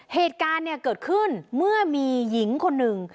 เหตุการณ์เนี่ยเกิดขึ้นเมื่อมีหญิงคนหนึ่ง